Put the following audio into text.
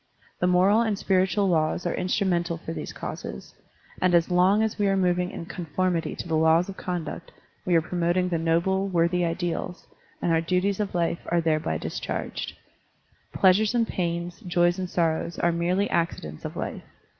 The moral and spiritual laws are instrumental for these causes, and as long as we are moving in confor mity to the laws of conduct, we are promoting the Digitized by Google THE WHEEL OF THE GOOD LAW lOQ noble, worthy ideals, and our duties of life are thereby discharged. Pleasures and pains, joys and sorrows are merely accidents of life.